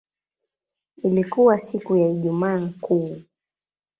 Ilikuwa siku ya Ijumaa Kuu.